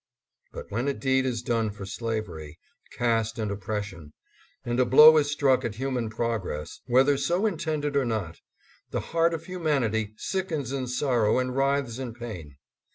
But when a deed is done for slavery, caste and oppres sion, and a blow is struck at human progress, whether so intended or not, the heart of humanity sickens in sorrow and writhes in pain.